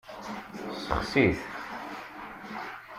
Sexsi-t.